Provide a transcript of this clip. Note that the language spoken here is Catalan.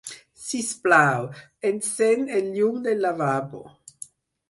Sisplau, encén el llum del lavabo.